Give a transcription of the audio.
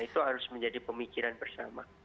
itu harus menjadi pemikiran bersama